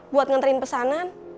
buat nganterin pesanan